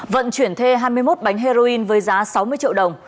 vận chuyển thuê hai mươi một bánh heroin với giá sáu mươi triệu đồng